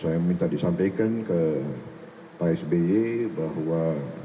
saya minta disampaikan ke pak sby bahwa